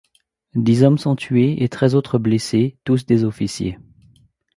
Dix hommes sont tués et treize autres blessés, tous des officiers.